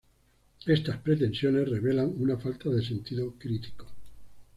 Estas pretensiones, revelan una falta de sentido crítico.